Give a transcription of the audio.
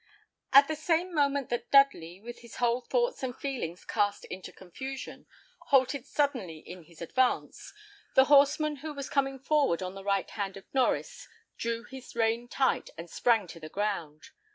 At the same moment that Dudley, with his whole thoughts and feelings cast into confusion, halted suddenly in his advance, the horseman who was coming forward on the right hand of Norries drew his rein tight, and sprang to the ground.